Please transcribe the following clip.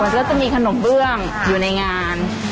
แล้วก็จะมีขนมเบื้องอยู่ในงาน